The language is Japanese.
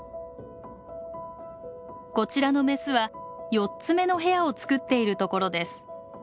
こちらのメスは４つ目の部屋を作っているところです。